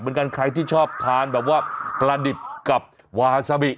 เหมือนกันใครที่ชอบทานแบบว่าปลาดิบกับวาซาบิ